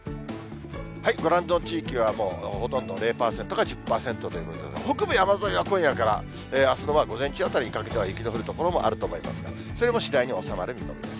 ご覧の地域は、もう、ほとんど０％か１０％ということで、北部山沿いは、今夜からあすの午前中あたりにかけては雪の降る所もあると思いますが、それも次第に収まる見込みです。